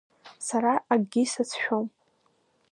Сара акгьы сацәшәом!